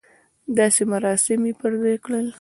داسې مراسم یې پر ځای کړل.